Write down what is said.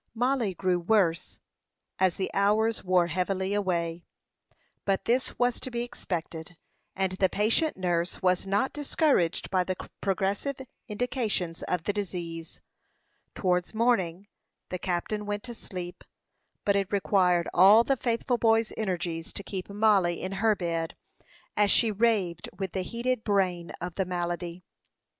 Mollie grow worse as the hours wore heavily away; but this was to be expected, and the patient nurse was not discouraged by the progressive indications of the disease. Towards morning the captain went to sleep; but it required all the faithful boy's energies to keep Mollie in her bed, as she raved with the heated brain of the malady.